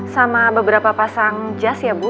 sama beberapa pasang jas ya bu